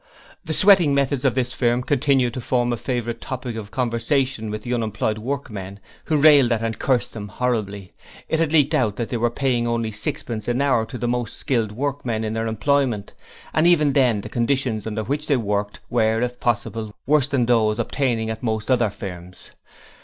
The sweating methods of this firm continued to form a favourite topic of conversation with the unemployed workmen, who railed at and cursed them horribly. It had leaked out that they were paying only sixpence an hour to most of the skilled workmen in their employment, and even then the conditions under which they worked were, if possible, worse than those obtaining at most other firms.